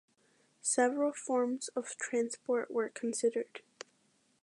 Several forms of transport were considered.